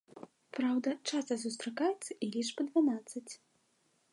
Праўда, часта сустракаецца і лічба дванаццаць.